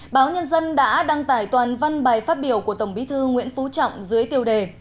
báo nhân dân đã đăng tải toàn văn bài phát biểu của tổng bí thư nguyễn phú trọng dưới tiêu đề